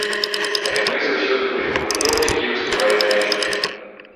Але мы заўсёды будзем гуртом, які выступае за мір.